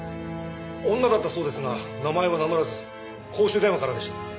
女だったそうですが名前は名乗らず公衆電話からでした。